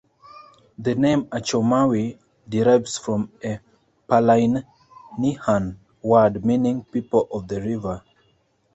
The name "Achomawi" derives from a Palaihnihan word meaning "people of the river".